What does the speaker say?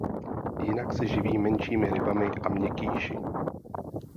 Jinak se živí menšími rybami a měkkýši.